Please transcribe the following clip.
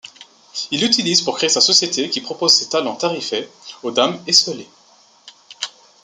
Il l'utilise pour créer sa société qui propose ses talents tarifés aux dames esseulées.